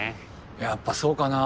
やっぱそうかな。